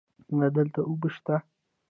ایا دلته اوبه شته؟